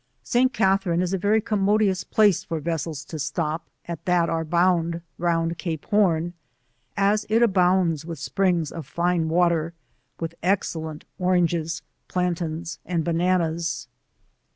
St. Catherine is a very commodious place for vessels to stop at that are bound round Cape Horn, as it abounds with springs of fine water, with excellent oranges, plantains, and bananas.